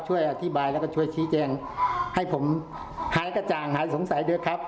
ช่วยอธิบายแล้วก็ช่วยชี้แจงให้ผมหายกระจ่างหายสงสัยด้วยครับ